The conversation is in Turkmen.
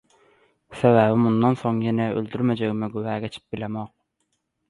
Sebäbi mundan soň ýene öldürmejegime güwa geçip bilemok.